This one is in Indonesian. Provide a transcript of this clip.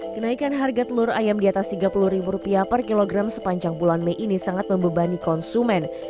kenaikan harga telur ayam di atas rp tiga puluh per kilogram sepanjang bulan mei ini sangat membebani konsumen